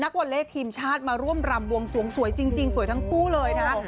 วอลเล่ทีมชาติมาร่วมรำบวงสวงสวยจริงสวยทั้งคู่เลยนะฮะ